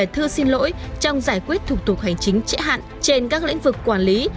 thư xin lỗi trong giải quyết thủ tục hành chính trễ hạn trên các lĩnh vực quản lý